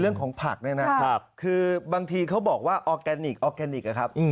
เรื่องของผักเนี่ยนะคือบางทีเขาบอกว่าออร์แกนิคออร์แกนิคอะครับ